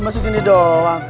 masuk gini doang